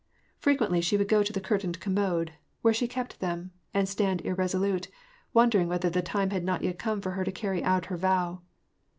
Frequently she would go to the curtained commode, where she kept them, and stand irresolute, wondering whether the time had not yet come for her to carry out her vow.